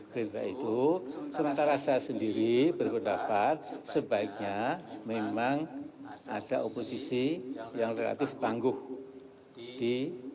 gerindra itu sementara saya sendiri berpendapat sebaiknya memang ada oposisi yang relatif tangguh di